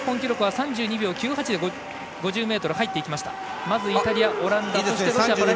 ３２秒９８で５０ｍ入っていきました。